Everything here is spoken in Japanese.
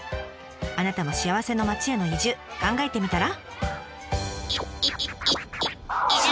あなたも幸せの町への移住考えてみたら？